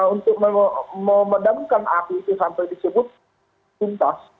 untuk memendamkan api itu sampai disebut pintas